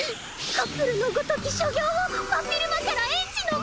カップルのごとき所業を真っ昼間から園児の前で！？